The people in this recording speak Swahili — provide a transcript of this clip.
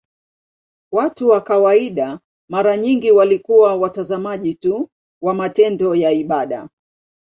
Watu wa kawaida mara nyingi walikuwa watazamaji tu wa matendo ya ibada.